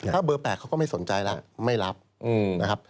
ถ้าเบอร์๘เขาก็ไม่สนใจแล้วไม่รับนะครับ